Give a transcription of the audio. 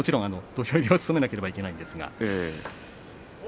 土俵入りを務めなくてはいけません。